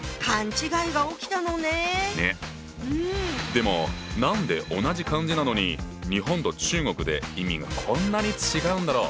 でも何で同じ漢字なのに日本と中国で意味がこんなに違うんだろう？